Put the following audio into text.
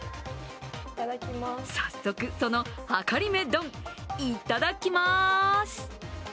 早速、そのはかりめ丼いただきまーす。